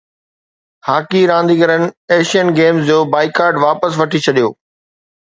hockey رانديگرن Asian Games جو boycott واپس وٺي ڇڏيو